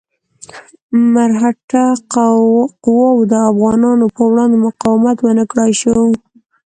مرهټه قواوو د افغانانو په وړاندې مقاومت ونه کړای شو.